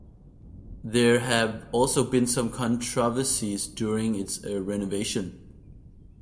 There have also been some controversies during its renovation.